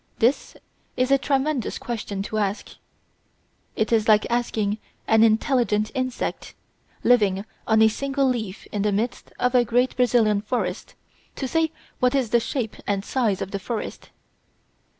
This is a tremendous question to ask. It is like asking an intelligent insect, living on a single leaf in the midst of a great Brazilian forest, to say what is the shape and size of the forest.